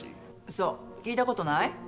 そう聞いたことない？